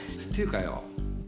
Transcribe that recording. っていうかよ